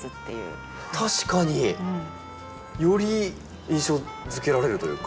確かに。より印象づけられるというか。